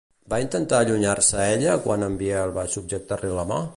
Va intentar allunyar-se ella quan en Biel va subjectar-li la mà?